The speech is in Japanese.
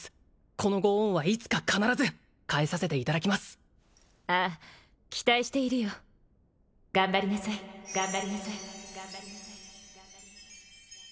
このご恩はいつか必ず返させていただきますああ期待しているよ頑張りなさいはい！